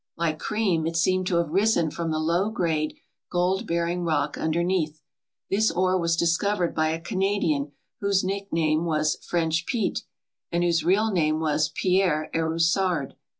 Like cream, it seemed to have risen froni the low grade gold bearing rock underneath. This ore was dis covered by a Canadian whose nickname was French Pete and whose real name was Pierre Erussard.